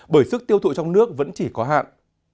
bởi sức tiêu thụ trong nước vẫn chỉ có hạn